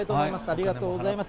ありがとうございます。